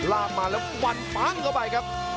ลาบมาแล้วฟันปั้งเข้าไป